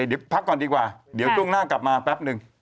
เดี๋ยวพักก่อนดีกว่าเดี๋ยวช่วงหน้ากลับมาแป๊บนึง